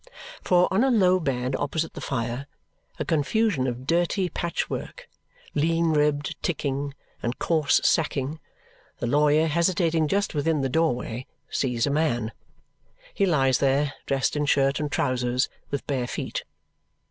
For, on a low bed opposite the fire, a confusion of dirty patchwork, lean ribbed ticking, and coarse sacking, the lawyer, hesitating just within the doorway, sees a man. He lies there, dressed in shirt and trousers, with bare feet.